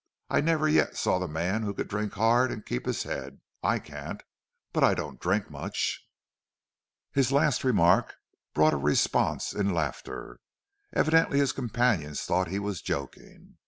I never yet saw the man who could drink hard and keep his head. I can't. But I don't drink much." His last remark brought a response in laughter. Evidently his companions thought he was joking.